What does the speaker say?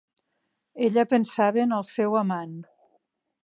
Ella pensava en el seu amant.